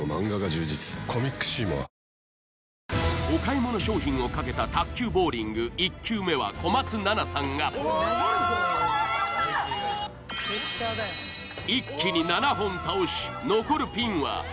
お買い物商品をかけた卓球ボウリング１球目は小松菜奈さんが一気に７本倒し残るピンは３本